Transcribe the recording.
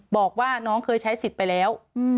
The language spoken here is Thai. บอกว่าน้องเคยใช้สิทธิ์ไปแล้ว